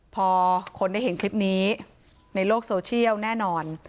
พอคนได้เห็นคลิปนี้ในโลกโซเชียลแน่นอน